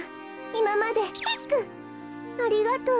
いままでヒックありがとう。